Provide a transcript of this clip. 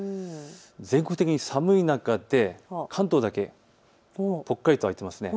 全国的に寒い中で関東だけぽっかりと空いてますね。